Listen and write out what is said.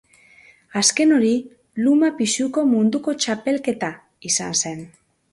Azken hori luma pisuko munduko txapelketa izan zen.